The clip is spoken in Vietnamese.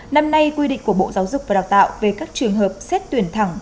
năm nay quy định của bộ giáo dục và đào tạo về các trường hợp xét tuyển thẳng